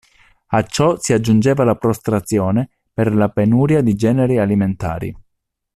A ciò si aggiungeva la prostrazione per la penuria di generi alimentari.